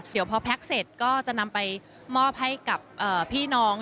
เดี๋ยวพอแพ็คเสร็จก็จะนำไปมอบให้กับพี่น้อง